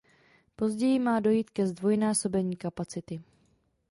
Později má dojít ke zdvojnásobení kapacity.